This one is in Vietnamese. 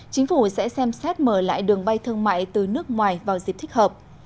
chính phủ sẽ xem xét mở lại đường bay thương mại từ nước ngoài vào dịp thích hợp